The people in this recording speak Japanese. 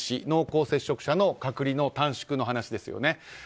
濃厚接触者の隔離の短縮の話ですよね。